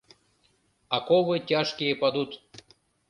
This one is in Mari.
Оковы тяжкие падут